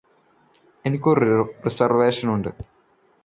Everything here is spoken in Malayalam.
എനിക്കൊരു റിസർവേഷനുണ്ട്